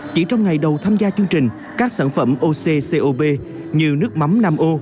chỉ trong ngày đầu tham gia chương trình các sản phẩm occob như nước mắm năm ô